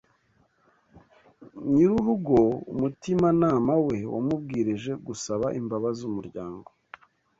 nyir’urugo umutimanama we wamubwirije gusaba imbabazi umuryango